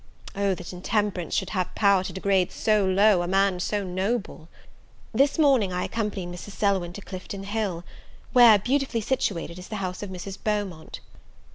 Oh that intemperance should have power to degrade so low, a man so noble! This morning I accompanied Mrs. Selwyn to Clifton Hill, where, beautifully situated, is the house of Mrs. Beaumont.